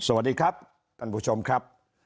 สวัสดีครับท่านผู้ชมครับ